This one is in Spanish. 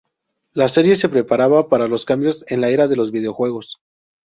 La serie se preparaba para los cambios en la era de los videojuegos.